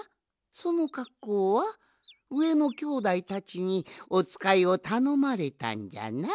そのかっこうはうえのきょうだいたちにおつかいをたのまれたんじゃな？